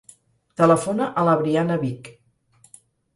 Telefona a la Briana Vich.